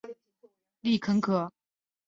丽肯可